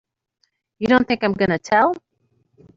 You don't think I'm gonna tell!